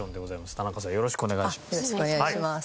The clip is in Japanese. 田中さんよろしくお願いします。